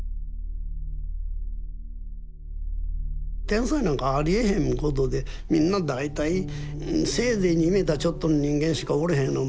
天才なんかありえへんことでみんな大体せいぜい２メーターちょっとの人間しかおれへん。